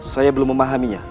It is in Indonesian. saya belum memahaminya